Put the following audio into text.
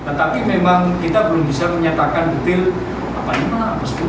tetapi memang kita belum bisa menyatakan detail apa ini lah apa itu